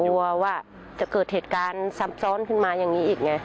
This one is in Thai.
กลัวว่าจะเกิดเหตุการณ์ซ้ำซ้อนขึ้นมาอย่างนี้อีกไง